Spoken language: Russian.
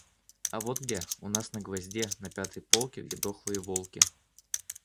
А вот где: у нас на гвозде, на пятой полке, где дохлые волки